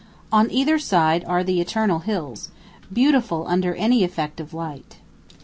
On either side are the eternal hills, beautiful under any effect of light.